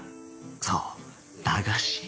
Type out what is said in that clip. そう駄菓子